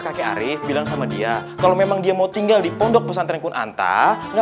kakek arief bilang sama dia kalau memang dia mau tinggal di pondok pesantren kuanta enggak